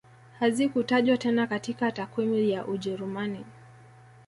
Hazikutajwa tena katika takwimu ya Ujerumani